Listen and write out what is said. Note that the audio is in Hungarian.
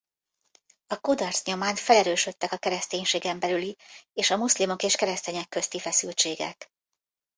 A kudarc nyomán felerősödtek a kereszténységen belüli és a muszlimok és keresztények közti feszültségek.